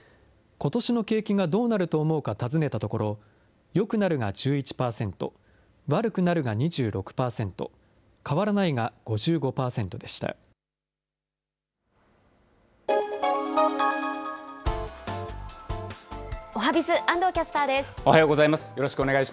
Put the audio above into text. ことしの景気がどうなると思うか尋ねたところ、よくなるが１１％、悪くなるが２６％、変わらないが５５％でした。